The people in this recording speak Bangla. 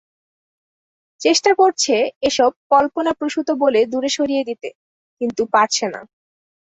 চেষ্টা করছে এসব কলপনাপ্রসূত বলে দূরে সরিয়ে দিতে, কিন্তু পারছে না।